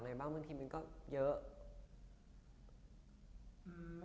ค่ะก็ยังเป็นเพื่อนกันเหมือนเดิม